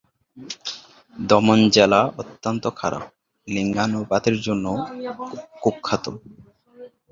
দমন জেলা অত্যন্ত খারাপ লিঙ্গানুপাতের জন্যে কুখ্যাত।